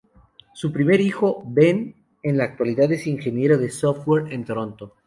Su primer hijo, Ben, en la actualidad es ingeniero de software en Toronto.